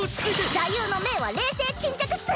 座右の銘は「冷静沈着」っス。